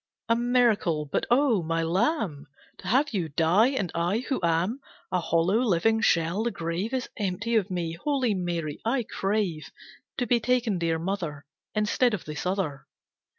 A miracle! But Oh! My Lamb! To have you die! And I, who am A hollow, living shell, the grave Is empty of me. Holy Mary, I crave To be taken, Dear Mother, Instead of this other."